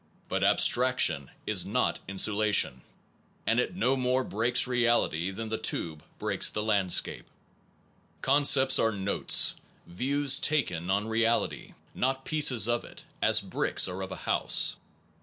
But abstrac tion is not insulation; and it no more breaks reality than the tube breaks the landscape. 199 SOME PROBLEMS OF PHILOSOPHY Concepts are notes, views taken on reality, 1 not pieces of it, as bricks are of a house.